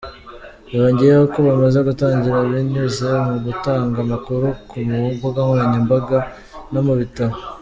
Yongeyeho ko bamaze gutangira binyuze mu gutanga amakuru ku mbunga nkoranyambaga no mu bitabo.